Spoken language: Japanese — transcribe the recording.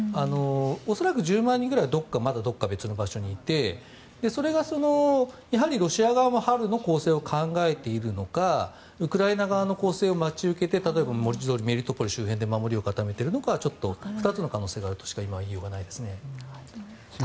恐らく１０万人ぐらいどこかまた別の場所にいてそれが、やはりロシア側も春の攻勢を考えているのかウクライナ側の攻勢を待ち受けて例えばメリトポリ周辺で守りを固めているのかちょっと２つの可能性があるとしか今は言いようがないですね。